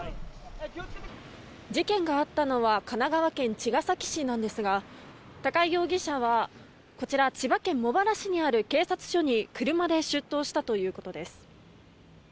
事件があったのは神奈川県茅ヶ崎市なんですが高井容疑者は、こちら千葉県茂原市にある警察署に車で出頭したということです。